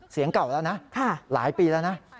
เสียงเก่าแล้วนะหลายปีแล้วนะ